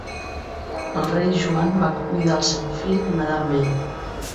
El rei Joan va convidar el seu fill a nedar amb ell.